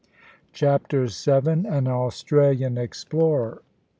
CHAPTER VII. AN AUSTRALIAN EXPLORER.